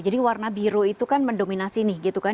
jadi warna biru itu kan mendominasi nih gitu kan